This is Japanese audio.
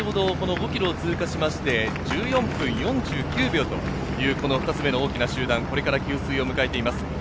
５ｋｍを通過して１４分４９秒、２つ目の大きな集団、これから給水を迎えています。